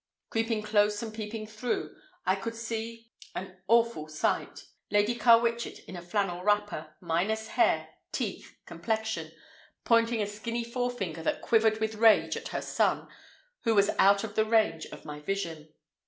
Creeping close and peeping through, I could see an awful sight. Lady Carwitchet in a flannel wrapper, minus hair, teeth, complexion, pointing a skinny forefinger that quivered with rage at her son, who was out of the range of my vision.